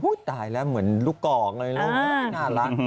อุ๊ยตายแล้วเหมือนลูกกอกเลยน่ารัก